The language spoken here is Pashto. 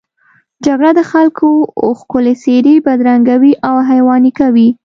جګړه د خلکو ښکلې څېرې بدرنګوي او حیواني کوي